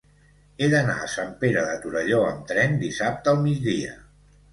He d'anar a Sant Pere de Torelló amb tren dissabte al migdia.